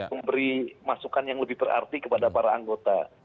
memberi masukan yang lebih berarti kepada para anggota